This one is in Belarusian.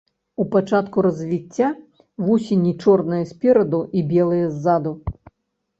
У пачатку развіцця, вусені чорныя спераду і белыя ззаду.